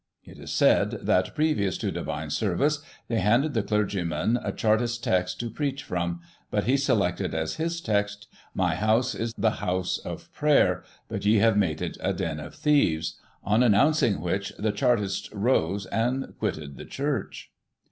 It is said that, previous to Divine Service, they handed the clergyman a Chartist text to preach from, but he selected as his text, " My house is the house of prayer, but ye have made it a den of thieves "; on announcing which, the Chartists rose, and quitted the church.